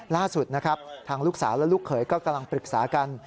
ล่าสุดนะครับทางลูกสาวและลูกเขยก็กำลังปรึกษากัน